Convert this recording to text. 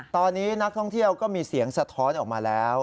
ตอนนี้นักท่องเที่ยวก็มีเสียงสะท้อนออกมาแล้ว